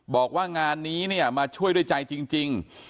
บอกว่างานนี้เนี่ยมาช่วยด้วยใจจริง